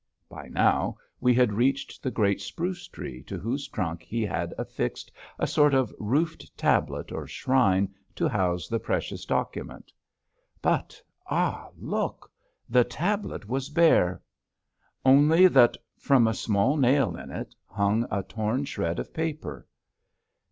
By now we had reached the great spruce tree to whose trunk he had affixed a sort of roofed tablet or shrine to house the precious document. But, ah look! the tablet was bare! only that from a small nail in it hung a torn shred of paper.